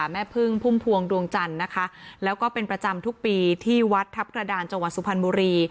แม่พึ่งพุ่มพวงดวงจันทร์นะคะแล้วก็เป็นประจำทุกปีที่วัดทัพกระดานจังหวัดสุพรรณบุรี